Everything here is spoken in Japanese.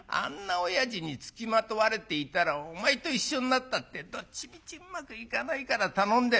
おやじに付きまとわれていたらお前と一緒になったってどっちみちうまくいかないから頼んでるんじゃないか。